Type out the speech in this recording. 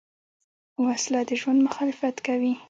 وسله د ژوند مخالفت کوي